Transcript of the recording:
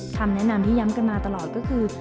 คำแนะนำที่ย้ำกันมาตลอดก็คือ